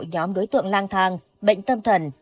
nhóm đối tượng lang thang bệnh tâm thần